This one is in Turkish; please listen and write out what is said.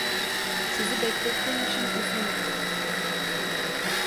Sizi beklettiğim için üzgünüm.